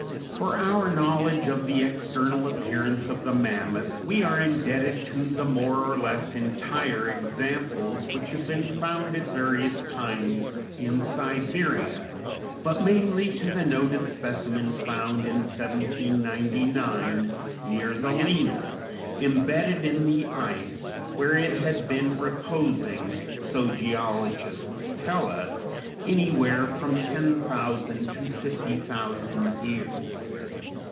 For our knowledge of the external appearance of the mammoth we are indebted to the more or less entire examples which have been found at various times in Siberia, but mainly to the noted specimen found in 1799 near the Lena, embedded in the ice, where it had been reposing, so geologists tell us, anywhere from 10,000 to 50,000 years.